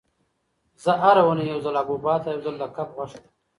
زه هره اونۍ یو ځل حبوبات او یو ځل د کب غوښه خورم.